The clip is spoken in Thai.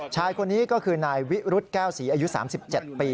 ชายคนนี้ก็คือนายวิรุธแก้วศรีอายุ๓๗ปี